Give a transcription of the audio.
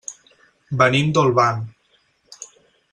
Venim d'Olvan.